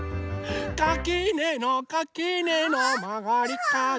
「かきねのかきねのまがりかど」